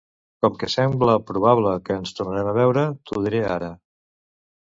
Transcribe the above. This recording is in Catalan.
Com que sembla probable que ens tornem a veure, t'ho diré ara.